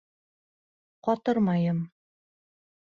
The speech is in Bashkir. — Ҡатырмайым.